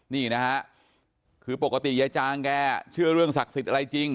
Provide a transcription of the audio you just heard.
นี่นะฮะคือปกติยายจางแกเชื่อเรื่องศักดิ์สิทธิ์อะไรจริง